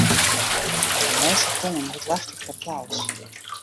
Nei de lêste toanen wurdt wachte op it applaus.